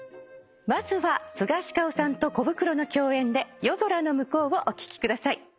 まずはスガシカオさんとコブクロの共演で『夜空ノムコウ』をお聴きください。